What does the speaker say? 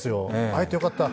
会えてよかった。